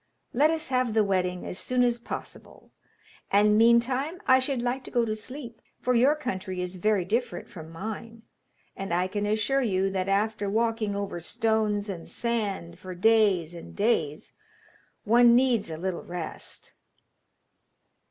Let us have the wedding as soon as possible; and, meantime, I should like to go to sleep, for your country is very different from mine, and I can assure you that after walking over stones and sand for days and days one needs a little rest.'